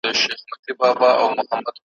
وروستۍ رڼا به دې د شپې زړه ته در ورسوم `